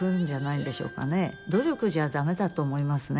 努力じゃ駄目だと思いますね。